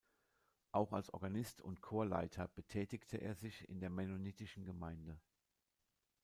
Auch als Organist und Chorleiter betätigte er sich in der mennonitischen Gemeinde.